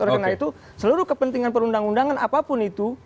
karena itu seluruh kepentingan perundang undangan apapun itu